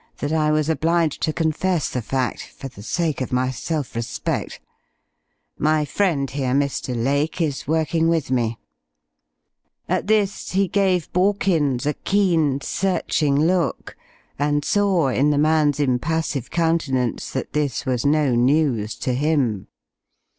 that I was obliged to confess the fact, for the sake of my self respect. My friend here, Mr. Lake, is working with me." At this he gave Borkins a keen, searching look, and saw in the man's impassive countenance that this was no news to him.